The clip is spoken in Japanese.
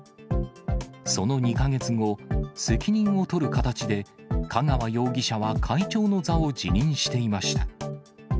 その２か月後、責任を取る形で香川容疑者は会長の座を辞任していました。